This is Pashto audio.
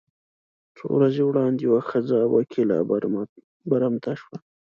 څو ورځې وړاندې یوه ښځه وکیله برمته شوه.